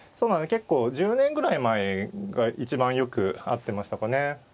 結構１０年ぐらい前が一番よく会ってましたかね。